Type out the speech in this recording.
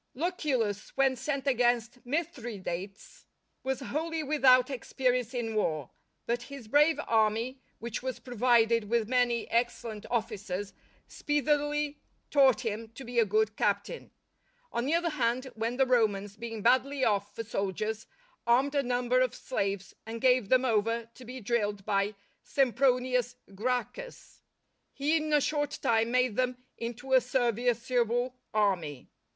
Lucullus when sent against Mithridates was wholly without experience in war: but his brave army, which was provided with many excellent officers, speedily taught him to be a good captain. On the other hand, when the Romans, being badly off for soldiers, armed a number of slaves and gave them over to be drilled by Sempronius Gracchus, he in a short time made them into a serviceable army.